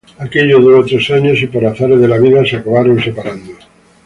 Aquello duró tres años, y por azares de la vida se acabaron separando.